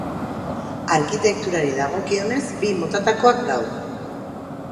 Arkitekturari dagokionez, bi motatakoak daude.